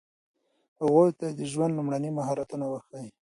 هغوی ته د ژوند لومړني مهارتونه وښایئ.